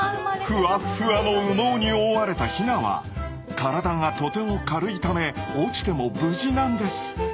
ふわっふわの羽毛に覆われたヒナは体がとても軽いため落ちても無事なんです。